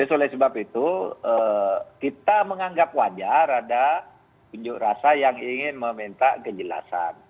oleh sebab itu kita menganggap wajar ada unjuk rasa yang ingin meminta kejelasan